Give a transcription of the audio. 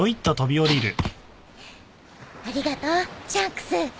ありがとうシャンクス。